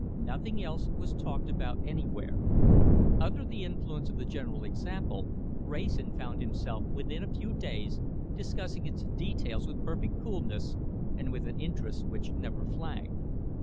Nothing else was talked about anywhere. Under the influence of the general example, Wrayson found himself within a few days discussing its details with perfect coolness, and with an interest which never flagged.